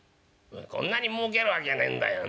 「こんなにもうけるわけゃねえんだよ。